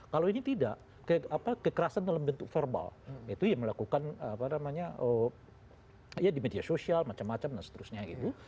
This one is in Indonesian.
kalau ini tidak kekerasan dalam bentuk verbal itu ya melakukan apa namanya ya di media sosial macam macam dan seterusnya gitu